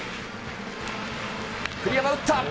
栗山、打った。